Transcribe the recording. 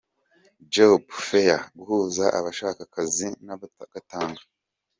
Job Fair – Guhuza abashaka akazi n’abagatanga.